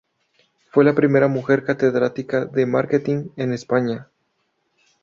Fue la primera mujer catedrática de Marketing en España.